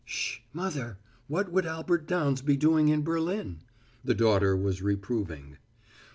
"Sh! mother! What would Albert Downs be doing in Berlin?" The daughter was reproving.